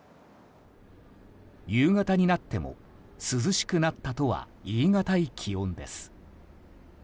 夕方になっても涼しくなったとは言い難い気温です。